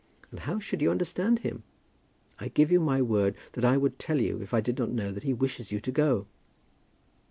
And how should you understand him? I give you my word that I would tell you if I did not know that he wishes you to go."